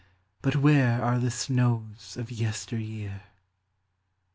But where are the snows of yester year